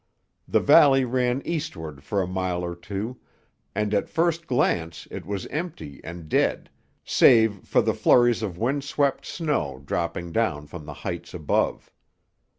The valley ran eastward for a mile or two, and at first glance it was empty and dead, save for the flurries of wind swept snow, dropping down from the heights above.